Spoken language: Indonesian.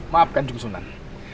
maafkan jung sunan